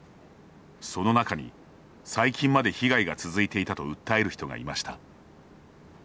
その中に最近まで被害が続いていたと訴える人がいました。